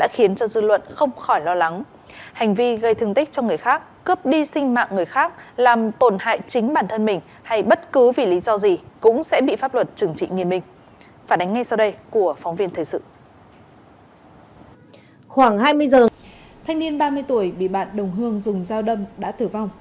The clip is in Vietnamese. khoảng hai mươi giờ thanh niên ba mươi tuổi bị bạn đồng hương dùng dao đâm đã tử vong